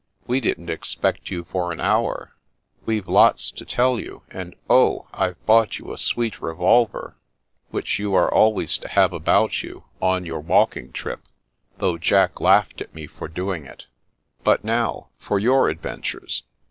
We didn't expect you for an hour. We've lots to tell you, and oh, I've bought you a sweet revolver, which you are always to have about you, on your walking trip, though Jack laughed at me for doing it. But now, for your adventures."